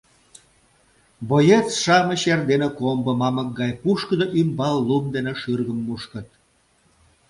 Боец-шамыч эрдене комбо мамык гай пушкыдо ӱмбал лум дене шӱргым мушкыт.